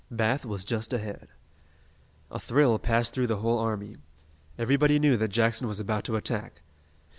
Bath was just ahead. A thrill passed through the whole army. Everybody knew that Jackson was about to attack.